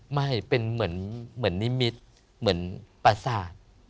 ไม่เป็นเหมือนนิมิตรเหมือนประสาท